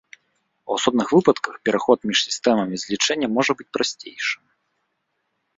У асобных выпадках пераход між сістэмамі злічэння можа быць прасцейшым.